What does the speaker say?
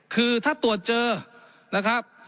คือถ้าตรวจเจอนะครับ